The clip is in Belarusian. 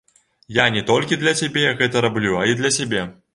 Я не толькі для цябе гэта раблю, а і для сябе.